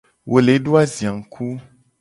Wo le do azia ngku.